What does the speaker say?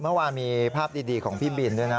เมื่อวานมีภาพดีของพี่บินด้วยนะ